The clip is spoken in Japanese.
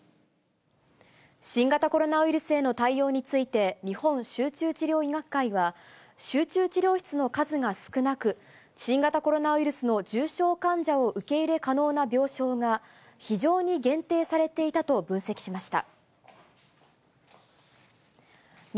新型コロナウイルスへの対応について、日本集中治療医学会は、集中治療室の数が少なく、新型コロナウイルスの重症患者を受け入れ可能な病床が、非常に限定されていたと分析しました。